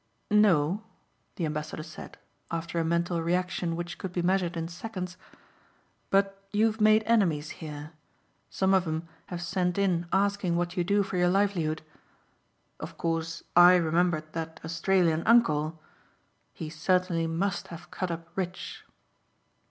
"No," the ambassador said after a mental reaction which could be measured in seconds. "But you've made enemies here. Some of 'em have sent in asking what you do for your livelihood. Of course I remembered that Australian uncle. He certainly must have cut up rich."